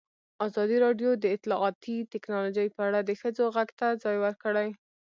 ازادي راډیو د اطلاعاتی تکنالوژي په اړه د ښځو غږ ته ځای ورکړی.